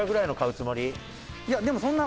いやでもそんな。